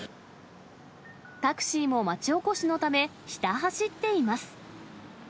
タクシーも町おこしのため、ひた走っています。